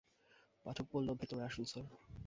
পাঠক বলল, ভেতরে আসুন স্যার।